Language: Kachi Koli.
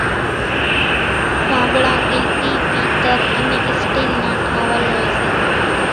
ٺانٻڙان ڳِلٽِي، پيتر انين اِسٽيل نان ٺاول هوئيَ سي۔